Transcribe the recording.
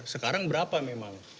sekarang berapa memang